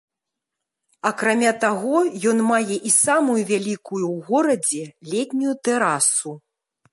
Акрамя таго, ён мае і самую вялікую ў горадзе летнюю тэрасу.